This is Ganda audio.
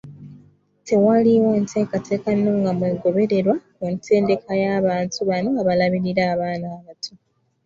Tewaliiwo nteekateeka nnungamu egobererwa ku ntendeka y’abantu bano abalabirira abaana abato.